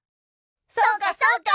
そうかそうか。